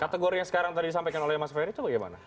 kategori yang sekarang tadi disampaikan oleh mas ferry itu bagaimana